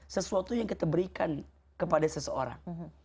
sesuatu yang kita berikan kepada seseorang